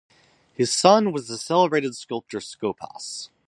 His son was the celebrated sculptor Scopas.